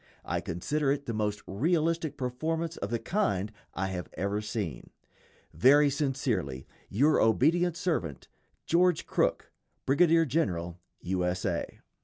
I consider it the most realistic performance of the kind I have ever seen. Very sincerely, your obedient servant, GEORGE CROOK, _Brigadier General U. S. A.